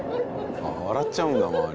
笑っちゃうんだ周り。